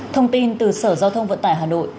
thông tin từ sở giao thông vận tải hà nội